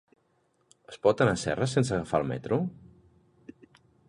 Es pot anar a Serra sense agafar el metro?